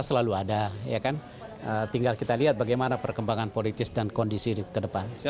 kita selalu ada tinggal kita lihat bagaimana perkembangan politik dan kondisi ke depan